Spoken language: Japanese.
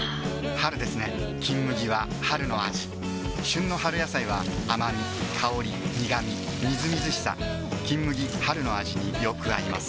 春ですね「金麦」は春の味旬の春野菜は甘み香り苦みみずみずしさ「金麦」春の味によく合います